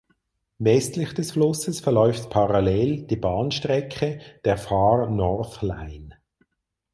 Westlich des Flusses verläuft parallel die Bahnstrecke der Far North Line.